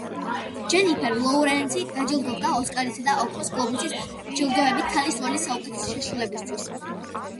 ჯენიფერ ლოურენსი დაჯილდოვდა ოსკარისა და ოქროს გლობუსის ჯილდოებით ქალის როლის საუკეთესო შესრულებისთვის.